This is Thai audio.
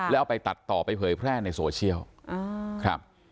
แล้วไปตัดต่อไปเผยแพร่ในโซเชียล